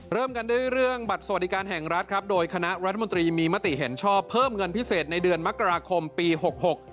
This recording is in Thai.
เริ่มกันด้วยเรื่องบัตรสวัสดิการแห่งรัฐครับโดยคณะรัฐมนตรีมีมติเห็นชอบเพิ่มเงินพิเศษในเดือนมกราคมปีหกหก